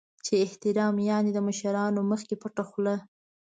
چې احترام یعنې د مشرانو مخکې پټه خوله .